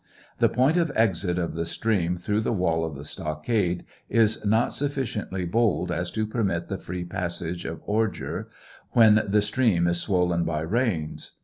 The point of exit of the stream through the wall of the stockade is not sufficiently bold as to permit the free passage of ordure when the stream is swollen by rains.